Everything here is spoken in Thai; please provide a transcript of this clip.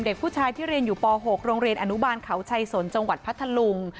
เด็กผู้ชายที่เรียนอยู่ป๖โรงเรียนอนุบาลเขาชัยสนจังหวัดพัทธลุง